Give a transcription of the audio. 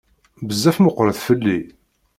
Bezzaf meqqret fell-i.